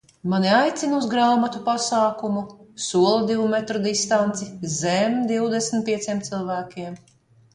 Mani aicina uz grāmatu pasākumu, sola divu metru distanci, zem divdesmit pieciem cilvēkiem.